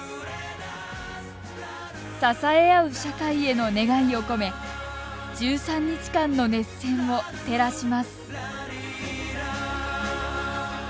支え合う社会への願いを込め１３日間の熱戦を照らします。